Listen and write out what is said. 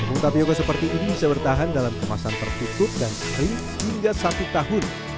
tepung tapioga seperti ini bisa bertahan dalam kemasan tertutup dan sering hingga satu tahun